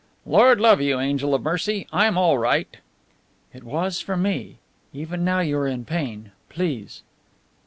"Lord love you, angel of mercy, I'm all right!" "It was for me. Even now you are in pain. Please!"